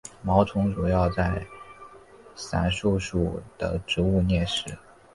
毛虫主要在伞树属的植物摄食。